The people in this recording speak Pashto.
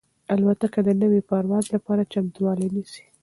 الوتکه د نوي پرواز لپاره چمتووالی نیسي.